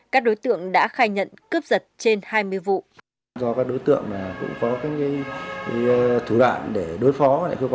các đối tượng đã khai nhận cướp giật trên hai mươi vụ